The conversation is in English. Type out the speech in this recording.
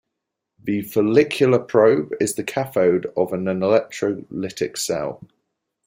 The follicular probe is the cathode of an electrolytic cell.